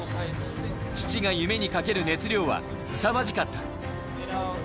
父が夢にかける熱量はすさまじかった。